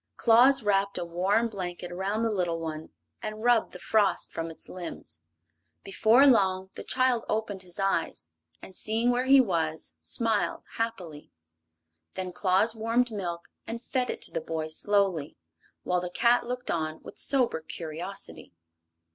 Claus wrapped a warm blanket around the little one and rubbed the frost from its limbs. Before long the child opened his eyes and, seeing where he was, smiled happily. Then Claus warmed milk and fed it to the boy slowly, while the cat looked on with sober curiosity.